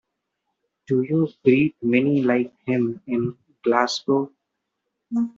Do you breed many like him in Glasgow?